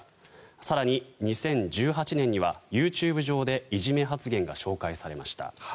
更に、２０１８年にはＹｏｕＴｕｂｅ上でいじめ発言が紹介されました。